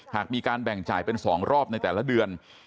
หากมีการแบ่งจ่ายเป็น๒รอบในแต่ละเดือน